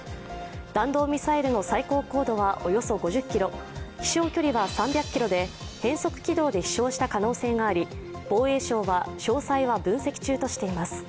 弾道ミサイルの最高高度はおよそ５０ｋｍ、飛しょう距離は３００ｋｍで変則軌道で飛しょうした可能性があり防衛省は詳細は分析中としています。